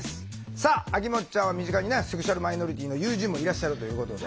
さああきもっちゃんは身近にねセクシュアルマイノリティーの友人もいらっしゃるということで。